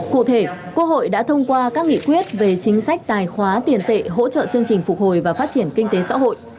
cụ thể quốc hội đã thông qua các nghị quyết về chính sách tài khóa tiền tệ hỗ trợ chương trình phục hồi và phát triển kinh tế xã hội